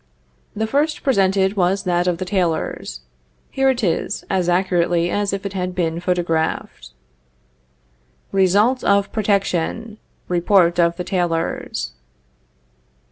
The first presented was that of the tailors. Here it is, as accurately as if it had been photographed: RESULTS OF PROTECTION REPORT OF THE TAILORS.